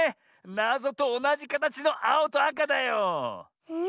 なぞとおなじかたちのあおとあかだよ。ね。